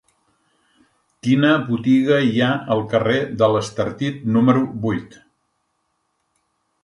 Quina botiga hi ha al carrer de l'Estartit número vuit?